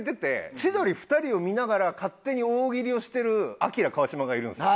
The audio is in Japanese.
千鳥２人を見ながら勝手に大喜利をしてるアキラ・カワシマがいるんですよ。